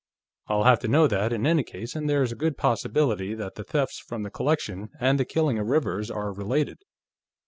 I'll have to know that, in any case, and there's a good possibility that the thefts from the collection and the killing of Rivers are related."